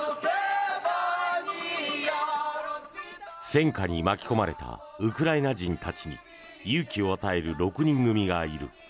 戦火に巻き込まれたウクライナ人たちに勇気を与える６人組がいる。